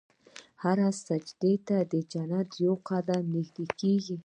هر سجدې ته جنت ته یو قدم نژدې کېږي.